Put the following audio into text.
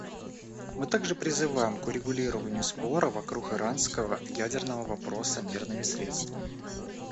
Мы также призываем к урегулированию спора вокруг иранского ядерного вопроса мирными средствами.